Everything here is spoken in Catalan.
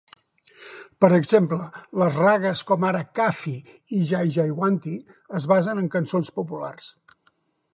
Per exemple, les ragues com ara Kafi i Jaijaiwanti es basen en cançons populars.